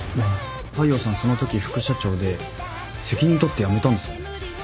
大陽さんそのとき副社長で責任取って辞めたんですよね？